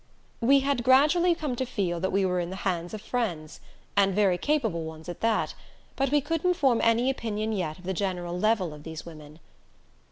We had gradually come to feel that we were in the hands of friends, and very capable ones at that but we couldn't form any opinion yet of the general level of these women.